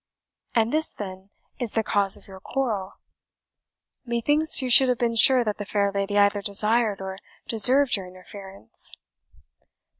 "And this, then, is the cause of your quarrel? Methinks, you should have been sure that the fair lady either desired or deserved your interference."